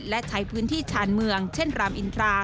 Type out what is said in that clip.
และใช้พื้นที่ชาญเมืองเช่นรามอินทรา